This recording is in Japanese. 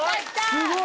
すごい。